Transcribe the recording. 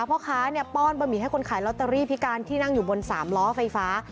พ่อค้าเนี่ยป้อนบะหมี่ให้คนขายลอตเตอรี่พิการที่นั่งอยู่บน๓ล้อไฟฟ้า